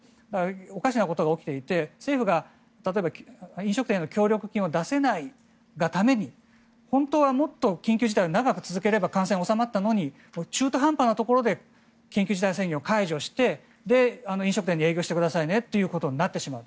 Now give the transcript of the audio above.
おかしなことが起きていて政府が例えば飲食店への協力金を出せないがために、本当はもっと緊急事態を長く続ければ感染が収まったのに中途半端なところで緊急事態宣言を解除して飲食店に営業してくださいねということになってしまう。